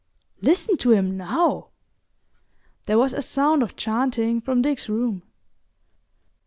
Listen to him now!" There was a sound of chanting from Dick's room.